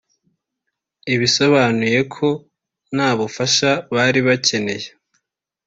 ibisobanuye ko nta bufasha bari bakeneye